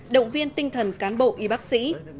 động viên tinh thần cán bộ y bác sĩ